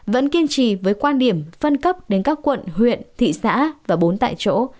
vẫn kiên trì với quan điểm phân cấp đến các quận huyện thị xã và bốn tại chỗ